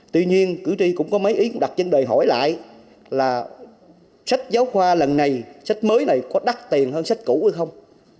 tuy nhiên cử tri cũng có mấy ý đặt chân đòi hỏi lại là sách giáo khoa lần này sách mới này có đắt tiền hơn sách cũ hay không